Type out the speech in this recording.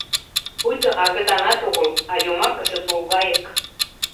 Пуйто агытанат огыл, а йомакысе тулгайык.